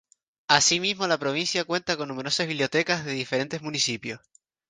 Asimismo, la provincia cuenta con numerosas bibliotecas de diferentes municipios.